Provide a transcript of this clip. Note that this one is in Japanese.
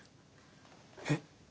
えっ。